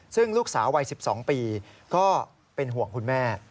ซึ่งลูกสาววัย๑๒ปีก็เป็นห่วงคุณแม่